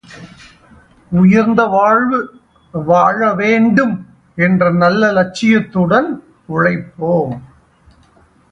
உயர்ந்த வாழ்வு வாழ வேண்டும் என்ற நல்ல லட்சியத்துடன் உழைப்போம்.